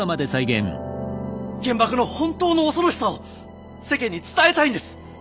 原爆の本当の恐ろしさを世間に伝えたいんです！